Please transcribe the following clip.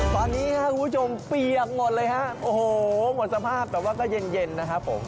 ตอนนี้ครับคุณผู้ชมเปียกหมดเลยฮะโอ้โหหมดสภาพแบบว่าก็เย็นเย็นนะครับผม